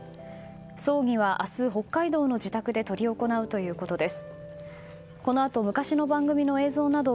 葬儀は明日、北海道の自宅で執り行うということです。